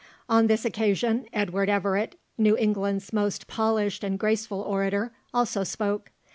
On this occasion, Edward Everett, "New England's most polished and graceful orator," also spoke.